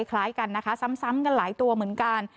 คล้ายกันนะคะซ้ำกันหลายตัวเหมือนกัน